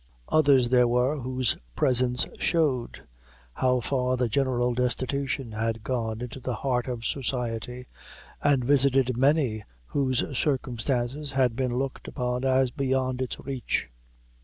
Others there were whose presence showed; how far the general destitution had gone into the heart of society, and visited many whose circumstances had been looked upon as beyond its reach.